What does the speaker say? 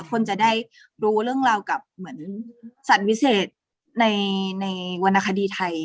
คนจะได้รู้เรื่องราวกับเหมือนสัตว์วิเศษในวรรณคดีไทย